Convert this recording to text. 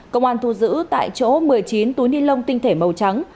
công an thu giữ tại chỗ một mươi chín túi ni lông tinh thể màu trắng